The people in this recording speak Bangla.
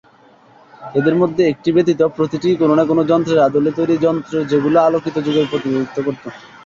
এদের মধ্যে একটি ব্যতীত প্রতিটিই কোন না কোন যন্ত্রের আদলে তৈরি যেগুলো আলোকিত যুগের প্রতিনিধিত্ব করত।